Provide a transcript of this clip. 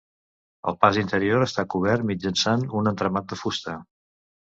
El pas interior està cobert mitjançant un entramat de fusta.